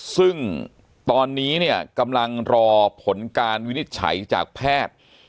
ซึ่งตอนนี้เนี่ยกำลังรอผลการวินิจฉัยจากแพทย์